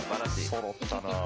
そろったなあ。